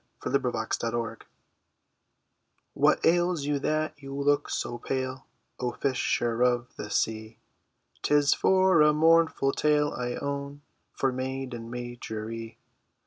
A BALLAD OF MARJORIE "What ails you that you look so pale, O fisher of the sea?" "'Tis for a mournful tale I own, Fair maiden Marjorie."